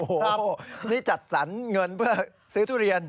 โอ้โหนี่จัดสรรเงินเพื่อซื้อทุเรียน